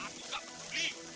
aku gak peduli